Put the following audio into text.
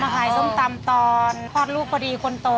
ขายส้มตำตอนคลอดลูกพอดีคนโต